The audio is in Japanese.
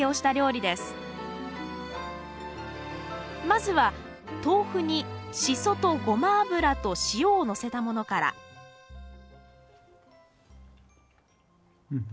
まずは豆腐にシソとゴマ油と塩をのせたものからうんうん。